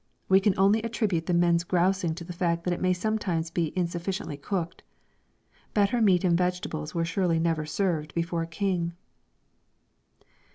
We can only attribute the men's grousing to the fact that it may sometimes be insufficiently cooked. Better meat and vegetables were surely never served before a king.